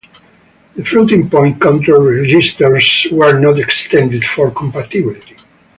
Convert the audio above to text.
The floating-point control registers were not extended for compatibility.